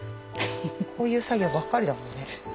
こういう作業ばっかりだもんね。